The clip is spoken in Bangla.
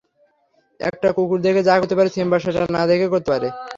একটা কুকুর দেখে যা করতে পারে, সিম্বা সেটা না দেখে করতে পারে।